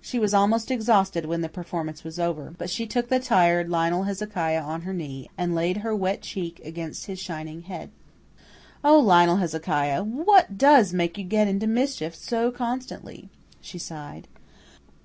She was almost exhausted when the performance was over; but she took the tired Lionel Hezekiah on her knee, and laid her wet cheek against his shining head. "Oh, Lionel Hezekiah, what does make you get into mischief so constantly?" she sighed.